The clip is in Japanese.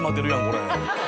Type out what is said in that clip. これ。